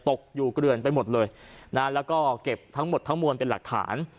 ตกอยู่เกลือนไปหมดเลยนะแล้วก็เก็บทั้งหมดทั้งมวลเป็นหลักฐาน